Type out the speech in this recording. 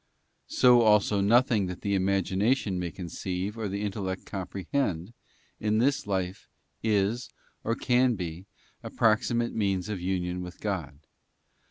So also nothing that the imagination may conceive or the intellect comprehend, in this life, is, or can be a proxi mate means of union with God.